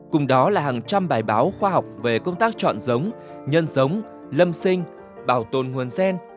cùng đó là hàng trăm bài báo khoa học về công tác chọn giống nhân giống lâm sinh bảo tồn nguồn gen